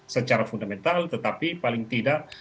secara fundamental tetapi paling tidak